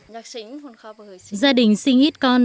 gia đình sinh ít con thời gian chăm sóc hai con được tốt hơn